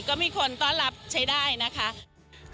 ก็มีคนต้อนรับใช้ได้นะคะ